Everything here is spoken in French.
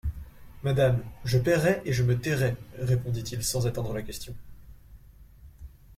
Madame, je payerai et je me tairai, répondit-il sans attendre la question.